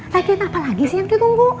lagian apa lagi sih yang terunggu